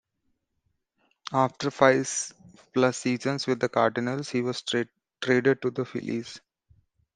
After five-plus seasons with the Cardinals, he was traded to the Phillies.